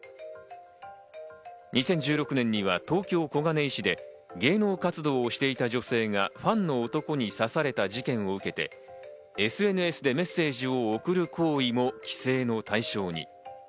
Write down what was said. ２０１６年には東京・小金井市で芸能活動をしていた女性がファンの男に刺された事件を受けて、ＳＮＳでメッセージを送る行為も規制の対象に。